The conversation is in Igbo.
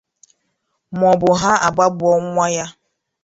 maọbụ ha agbagbuo nwa ya